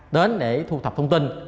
đến để thu thập thông tin